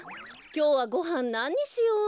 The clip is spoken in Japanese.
きょうはごはんなににしよう？